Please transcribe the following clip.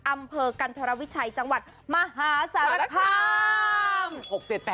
อำเภอกันธรวิชัยจังหวัดมหาสารคาม